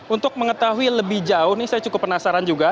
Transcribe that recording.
untuk mengetahui lebih jauh ini saya cukup penasaran juga